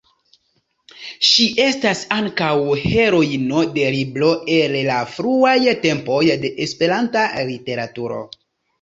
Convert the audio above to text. Ŝi estas ankaŭ heroino de libro el la fruaj tempoj de Esperanta literaturo.